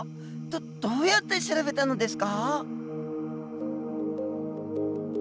どうやって調べたのですか？